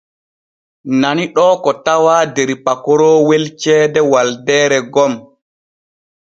Nani ɗoo ko tawaa der pakoroowel ceede Waldeeree gom.